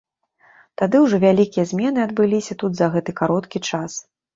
Тады ўжо вялікія змены адбыліся тут за гэты кароткі час.